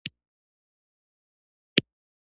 نو همدا ولسي ادبيات دي چې د يوه ملت ، قوم